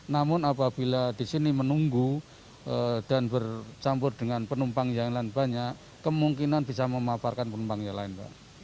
namun apabila di sini menunggu dan bercampur dengan penumpang yang lain banyak kemungkinan bisa memaparkan penumpangnya lain pak